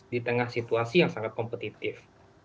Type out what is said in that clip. di tengah situasi yang sangat kompetitif